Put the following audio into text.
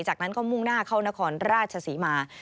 จากนั้นก็มุ่งหน้าเข้านครราชศรีมา